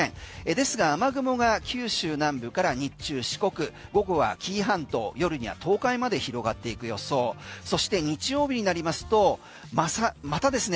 ですが雨雲が九州南部から日中、四国、午後は紀伊半島夜には東海まで広がっていく予想そして日曜日になりますとまたですね